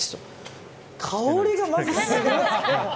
香りが、まずすごい。